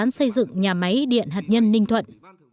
dừng thực hiện dự án xây dựng nhà máy điện hạt nhân ninh thuận